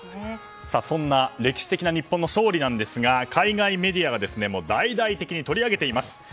そんな歴史的な日本の勝利ですが海外メディアが大々的に取り上げています。